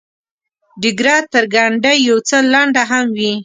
ډیګره تر ګنډۍ یو څه لنډه هم وي.